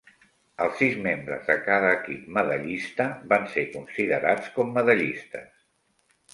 Els sis membres de cada equip medallista van ser considerats com medallistes.